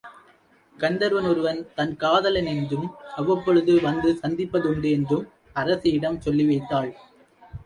கந்தருவன் ஒருவன் தன் காதலன் என்றும், அவ்வப்பொழுது வந்து சந்திப்பதுண்டு என்றும் அரசியிடம் சொல்லி வைத்தாள்.